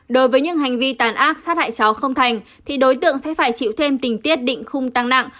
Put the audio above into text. đối với những hành vi tàn ác sát hại cháu không thành thì đối tượng sẽ phải chịu thêm tình tiết định khung tăng nặng